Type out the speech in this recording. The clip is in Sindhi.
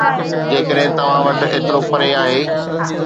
جيڪڏهن توهان وٽ ايترو پري آهي